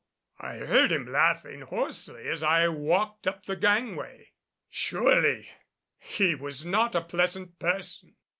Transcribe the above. I heard him laughing hoarsely as I walked up the gangway. Surely he was not a pleasant person.